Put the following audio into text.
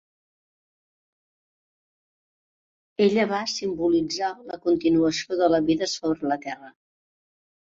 Ella va simbolitzar la continuació de la vida sobre la Terra.